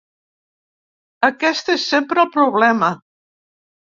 Aquest és sempre el problema.